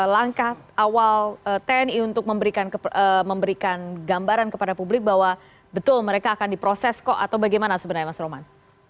langkah awal tni untuk memberikan gambaran kepada publik bahwa betul mereka akan diproses kok atau bagaimana sebenarnya mas roman